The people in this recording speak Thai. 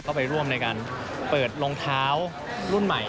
ไปร่วมในการเปิดรองเท้ารุ่นใหม่